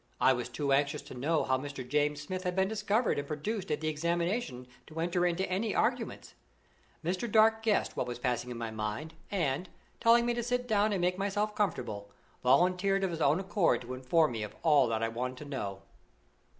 I was too anxious to know how Mr. James Smith had been discovered and produced at the examination to enter into any arguments. Mr. Dark guessed what was passing in my mind, and, telling me to sit down and make myself comfortable, volunteered of his own accord to inform me of all that I wanted to know.